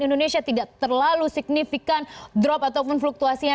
indonesia tidak terlalu signifikan drop ataupun fluktuasinya